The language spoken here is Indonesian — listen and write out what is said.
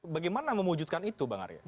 bagaimana mewujudkan itu bang arya